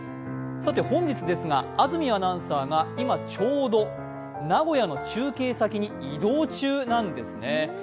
さて本日ですが安住アナウンサーが今ちょうど名古屋の中継先に移動中なんですね。